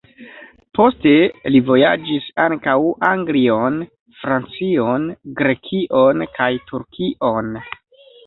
Poste li vojaĝis ankaŭ Anglion, Francion, Grekion kaj Turkion.